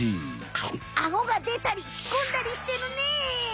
アゴがでたり引っ込んだりしてるね！